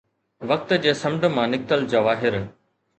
وقت جي سمنڊ مان نڪتل جواهر